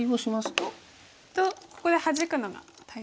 とここでハジくのが大切です。